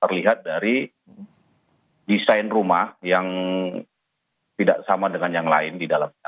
terlihat dari desain rumah yang tidak sama dengan yang lain di dalam